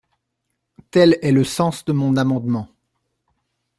Tel est le sens de mon amendement.